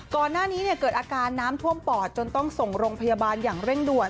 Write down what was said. ก่อนหน้านี้เกิดอาการน้ำท่วมปอดจนต้องส่งโรงพยาบาลอย่างเร่งด่วน